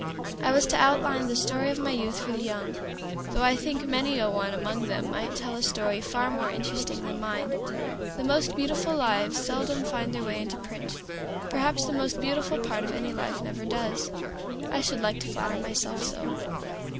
I was to outline the story of my youth for the young, though I think many a one among them might tell a story far more interesting than mine. The most beautiful lives seldom find their way into print. Perhaps the most beautiful part of any life never does. I should like to flatter myself so.